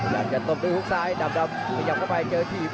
อยากจะต้มด้วยหุ้กซ้ายดำพยายามเข้าไปเจอทีพ